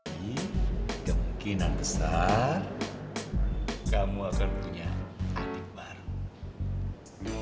ini kemungkinan besar kamu akan punya adik baru